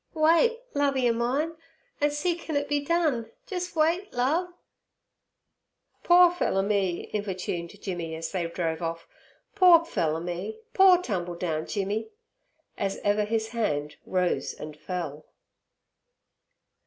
'Wait, Lovey—er—mine—an' see can it be done. Jes' wait, Lov—' 'Poor pfeller me!' importuned Jimmy as they drove off; 'poor pfeller me! Poor Tumbledown Jimmy!' as ever his hand rose and fell.